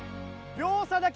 秒差だけ？